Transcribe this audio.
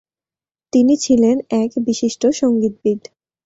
তিনি ছিলেন এক বিশিষ্ট সংগীতবিদ।